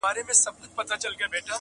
نه ستا زوی سي تر قیامته هېرېدلای--!